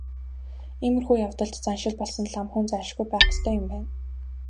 Иймэрхүү явдалд заншил болсон лам хүн зайлшгүй байх ёстой юм байна.